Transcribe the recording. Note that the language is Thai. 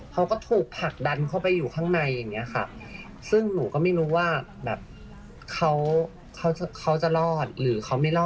เขาก็ถูกผลักดันเข้าไปอยู่ข้างในอย่างนี้ค่ะซึ่งหนูก็ไม่รู้ว่าแบบเขาเขาจะรอดหรือเขาไม่รอด